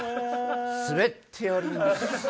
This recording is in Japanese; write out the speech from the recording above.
スベっております。